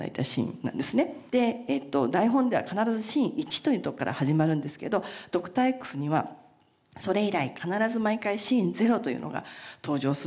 台本では必ずシーン１というところから始まるんですけど『Ｄｏｃｔｏｒ−Ｘ』にはそれ以来必ず毎回シーン０というのが登場するようになったんですね。